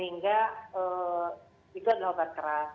sehingga itu adalah obat keras